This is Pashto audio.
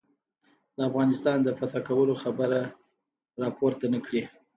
د افغانستان د فتح کولو خبره را پورته نه کړي.